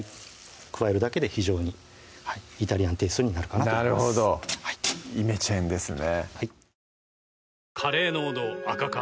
加えるだけで非常にイタリアンテーストになるかなとなるほどイメチェンですね